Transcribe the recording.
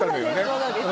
そうなんです